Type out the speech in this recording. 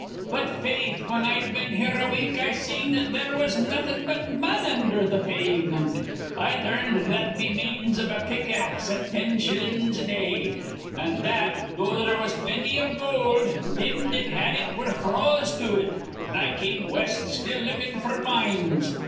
"But, faith, whin I'd been here a week, I seen that there was nawthin' but mud undher th' pavement, I larned that be means iv a pick axe at tin shillin's th' day, an' that, though there was plenty iv goold, thim that had it were froze to it; an' I come west, still lookin' f'r mines.